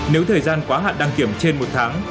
nếu thời gian quá hạn đăng kiểm trên một tháng